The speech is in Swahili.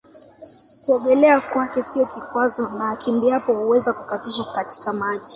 Kuogelea kwake sio kikwazo na akimbiaapo huaweza kukatisha katika maji